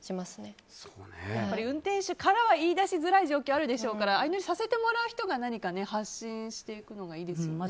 運転手からは言い出しづらい状況あるでしょうから相乗りさせてもらう人が何か発信していくのがいいですよね。